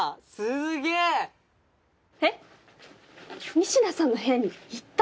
仁科さんの部屋に行った？